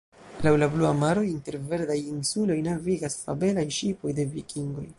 Laŭ la blua maro inter verdaj insuloj navigas fabelaj ŝipoj de vikingoj.